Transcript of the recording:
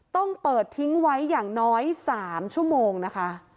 ต้องเปิดทิ้งไว้อย่างน้อย๓ชั่วโมงนะคะ